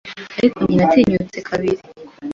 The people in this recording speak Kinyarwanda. Ariko njye - natinyutse kabiri -